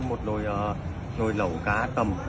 một mươi h một mươi năm em ăn một lẩu cá tầm